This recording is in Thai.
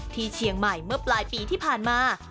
ที่เชียงใหม่เมื่อปลายปีที่ผ่านมา